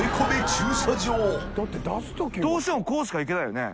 駐車場狩野）どうしてもこうしか行けないよね？